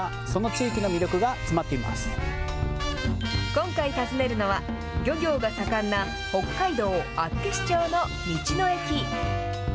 今回訪ねるのは、漁業が盛んな北海道厚岸町の道の駅。